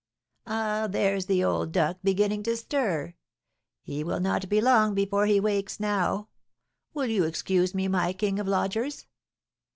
"Ah, there's the old duck beginning to stir; he will not be long before he wakes now. Will you excuse me, my king of lodgers?"